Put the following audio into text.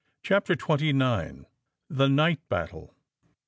CHAPTER TWENTY NINE. THE NIGHT BATTLE.